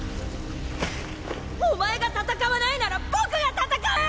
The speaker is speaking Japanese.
お前が戦わないなら僕が戦う！